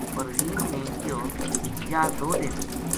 پروین نے کہیو:”یاہ دو دن